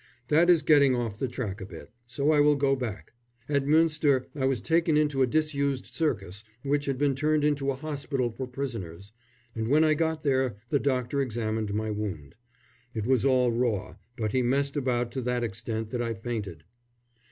That is getting off the track a bit, so I will go back. At Münster I was taken into a disused circus which had been turned into a hospital for prisoners, and when I got there the doctor examined my wound. It was all raw, but he messed about to that extent that I fainted.